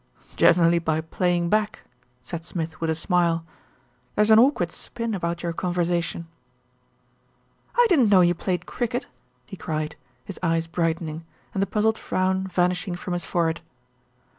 "Generally by playing back," said Smith with a smile. "There's an awkward spin about your conversation." "I didn't know you played cricket," he cried, his eyes brightening, and the puzzled frown vanishing from his forehead.